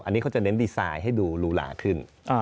อันนี้เขาจะเน้นดีไซน์ให้ดูรูหลาขึ้น